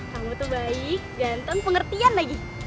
kamu tuh baik ganteng pengertian lagi